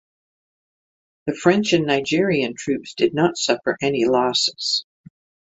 The French and Nigerian troops did not suffer any losses.